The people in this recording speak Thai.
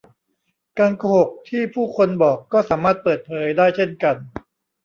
การโกหกที่ผู้คนบอกก็สามารถเปิดเผยได้เช่นกัน